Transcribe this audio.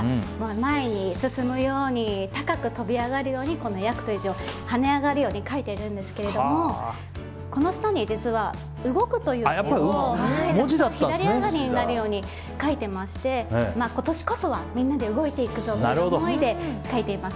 前に進むように高く跳び上がるようにこの「躍」という字を跳ね上がるように書いているんですがこの下に「動」という文字を左上がりになるように書いていまして今年こそはみんなで動いていくぞという思いで書いています。